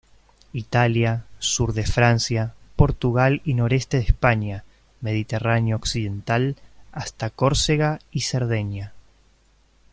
Italia, sur de Francia, Portugal y noreste de España.Mediterráneo occidental, hasta Córcega y Cerdeña.